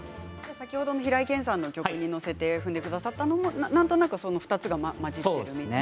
先ほどの平井堅さんの曲に合わせて踏んでくださったのもなんとなくその２つが混じっていると。